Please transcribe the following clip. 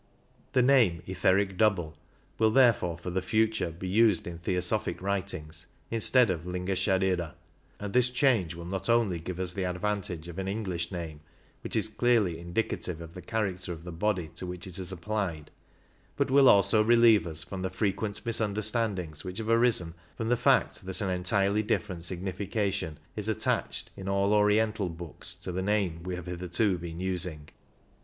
The name "etheric double" will therefore for the future be used in Theosophic writings instead of " Linga Sharira ": and this change will not only give us the advantage of an English name which is clearly indicative of the character of the body to which it is applied, but will also relieve us from the frequent misunder standings which have arisen from the fact that an entirely different signification is attached in all the Oriental books to the name we have hitherto been using.